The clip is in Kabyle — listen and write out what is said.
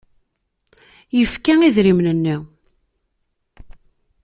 Yefka idrimen-nni.